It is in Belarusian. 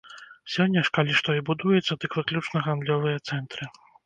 Сёння ж, калі што і будуецца, дык выключна гандлёвыя цэнтры.